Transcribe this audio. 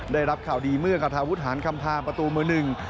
ได้รับข่าวดีเมื่อคาทาวุฒหารคำพาประตูมือหนึ่ง